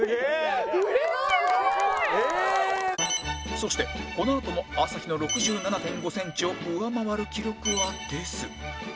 そしてこのあとも朝日の ６７．５ センチを上回る記録は出ず